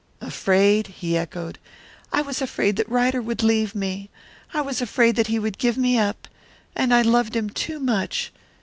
"Afraid?" he echoed. "I was afraid that Ryder would leave me! I was afraid that he would give me up! And I loved him too much!